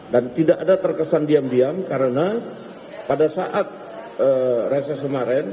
dan tidak ada terkesan diam diam karena pada saat reses kemarin